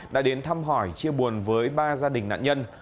đã đến thăm hỏi chia buồn với ba gia đình nạn nhân